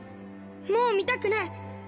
もう見たくない！